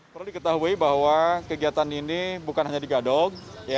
perlu diketahui bahwa kegiatan ini bukan hanya di gadok